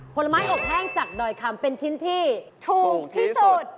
ผลไม้อบแห้งจากดอยคำเป็นชิ้นที่ถูกที่สุด